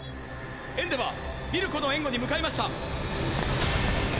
エンデヴァーミルコの援護に向かいました。